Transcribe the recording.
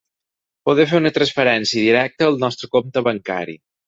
Podeu fer una transferència directa al nostre compte bancari.